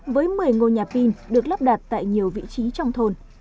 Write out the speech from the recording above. với một mươi ngôi nhà pin được lắp đặt tại nhiều vị trí trong thôn